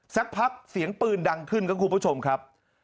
สักพักเสียงปืนดังขึ้นครับคุณผู้ชมครับ